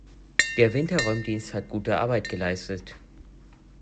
Der Winterräumdienst hat gute Arbeit geleistet.